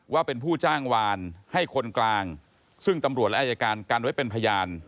ว่าเป็นผู้จ้างวานให้คนกลางซึ่งตำรวจและอายการกันไว้เป็นพยาน